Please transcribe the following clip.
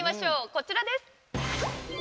こちらです！